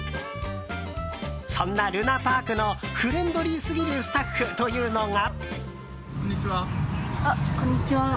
そんな、るなぱあくのフレンドリーすぎるスタッフというのが。